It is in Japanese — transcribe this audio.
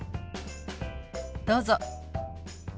どうぞ。